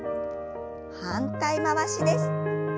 反対回しです。